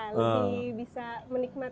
lebih bisa menikmati